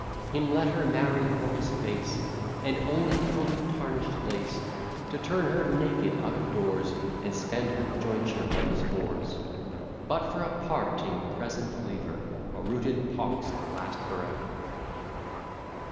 Him let her marry for his face, And only coat of tarnish'd lace; To turn her naked out of doors, And spend her jointure on his whores; But, for a parting present, leave her A rooted pox to last for ever!